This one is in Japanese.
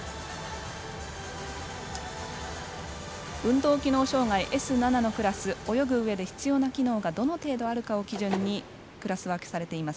運動機能障がいＳ７のクラス泳ぐうえで必要な機能がどの程度あるかを基準にクラス分けされています。